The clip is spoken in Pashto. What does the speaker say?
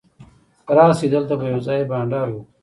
راسئ! دلته به یوځای بانډار وکو.